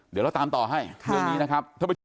เดี๋ยวเราตามต่อให้เรื่องนี้นะครับ